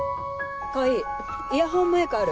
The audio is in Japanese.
川合イヤホンマイクある？